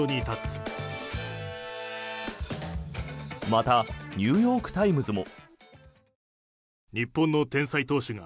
またニューヨーク・タイムズも。